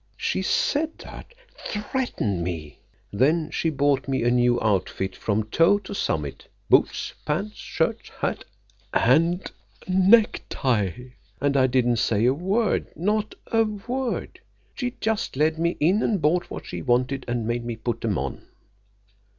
She said that! Threatened me. Then she bought me a new outfit from toe to summit—boots, pants, shirt, hat and a necktie! And I didn't say a word, not a word. She just led me in an' bought what she wanted and made me put 'em on."